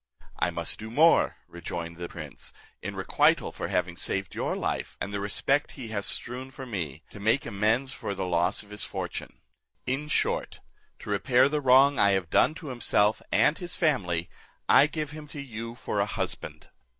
"I must do more," rejoined the prince, "in requital for having saved your life, and the respect he has strewn for me, to make amends for the loss of his fortune. In short, to repair the wrong I have done to himself and his family, I give him to you for a husband."